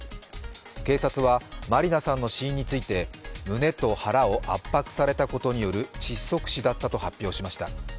警察はまりなさんの死因について、胸と腹を圧迫されたことによる窒息死だったと発表しました。